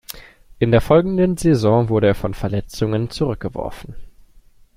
In der folgenden Saison wurde er von Verletzungen zurückgeworfen.